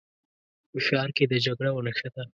په ښار کې د جګړه ونښته.